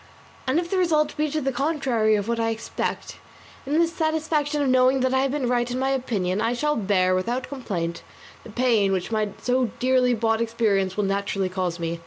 And if the result be the contrary of what I expect, in the satisfaction of knowing that I have been right in my opinion, I shall bear without complaint the pain which my so dearly bought experience will naturally cause me.